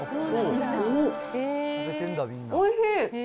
おいしい。